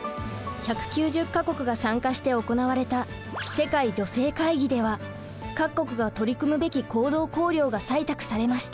１９０か国が参加して行われた世界女性会議では各国が取り組むべき行動綱領が採択されました。